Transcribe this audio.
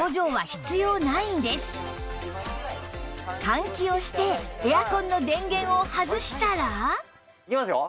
換気をしてエアコンの電源を外したらいきますよ？